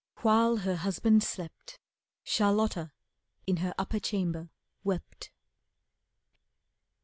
While her husband slept, Charlotta in her upper chamber wept.